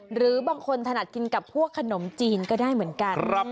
หรือบางคนถนัดกินกับพวกขนมจีนก็ได้เหมือนกัน